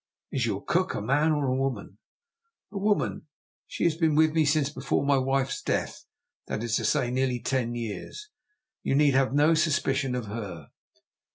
"Is your cook a man or a woman?" "A woman. She has been with me since before my wife's death that is to say, nearly ten years. You need have no suspicion of her."